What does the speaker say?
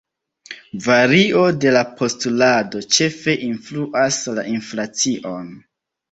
Vario de la postulado ĉefe influas la inflacion.